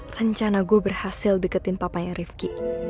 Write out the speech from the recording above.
rencana gue berhasil deketin papanya rifqi